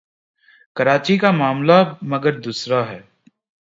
کراچی کا معاملہ مگر دوسرا ہے۔